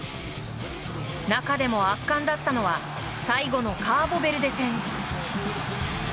中でも、圧巻だったのは最後のカーボベルデ戦。